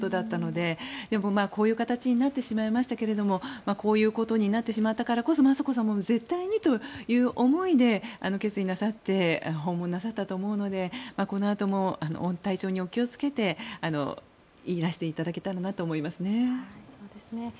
でも、こういう形になってしまいましたけどこういうことになってしまったからこそ雅子さまも絶対にという思いで決意なさって訪問なさったと思うのでこのあとも体調にお気をつけていらしていただけたらなと思いますね。